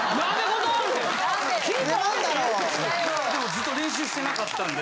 ずっと練習してなかったんで。